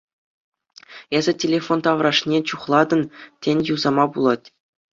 Эсӗ телефон таврашне чухлатӑн, тен, юсама пулать?